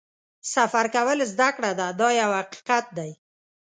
سفر کول زده کړه ده دا یو حقیقت دی.